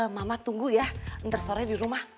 mama tunggu ya ntar sore di rumah